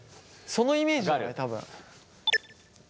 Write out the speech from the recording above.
そのイメージだね多分。